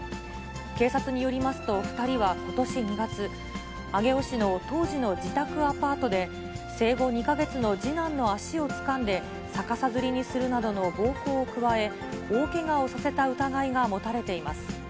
警察によりますと、２人はことし２月、上尾市の当時の自宅アパートで、生後２か月の次男の足をつかんで、逆さづりにするなどの暴行を加え、大けがをさせた疑いが持たれています。